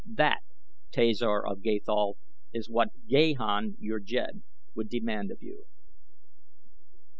That, Tasor of Gathol, is what Gahan your Jed would demand of you."